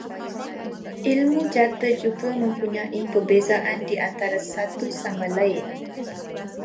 Ilmu jata juga mempunyai perbezaan di antara satu sama lain